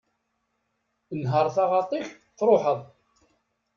Nher taɣaṭ-ik, truḥeḍ.